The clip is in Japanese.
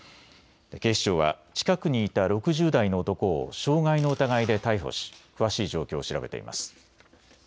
警視庁は近くにいた６０代の男を傷害の疑いで逮捕し詳しい状況を調べています。